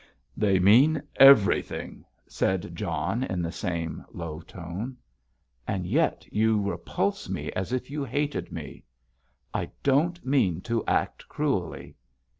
"They mean everything," said John, in the same low tone. "And yet you repulse me as if you hated me?" "I don't mean to act cruelly."